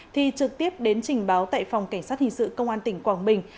thì trực tiếp đến trình báo tại phòng cảnh sát hình sự công an tỉnh quảng bình